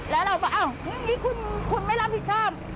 แล้วเราก็อ้าวเรื่องนี้คุณไม่รับผิดชอบ